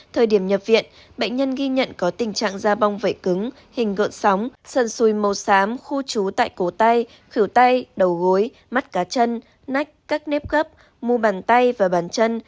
thời điểm nhập viện bệnh nhân ghi nhận có tình trạng da bong vẩy cứng hình gợn sóng sân xui màu xám khu trú tại cổ tay khử tay đầu gối mắt cá chân nách các nếp gấp mu bàn tay và bàn chân